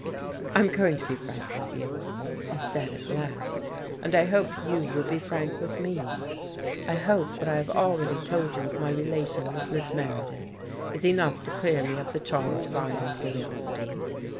" I am going to be frank with you," he said at last, " and I hope you will be frank with me. I hope THE JADE EARRING what I have already told you of my relation with Miss Meredith is enough to clear me of the charge of idle curiosity.